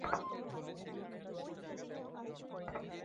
কে চলে গেছে?